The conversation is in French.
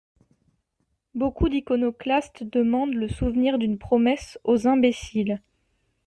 Beaucoup d'iconoclastes demandent le souvenir d'une promesse aux imbéciles.